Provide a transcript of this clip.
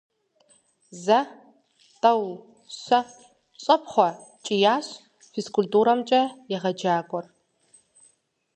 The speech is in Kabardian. Зэ, тӏэу, щэ, щӏэпхъуэ! - къэкӏиящ физкультурэмкӏэ егъэджакӏуэр.